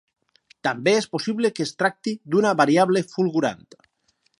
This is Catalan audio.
També és possible que es tracti d'una variable fulgurant.